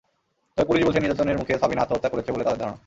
তবে পুলিশ বলছে, নির্যাতনের মুখে সাবিনা আত্মহত্যা করেছে বলে তাদের ধারণা।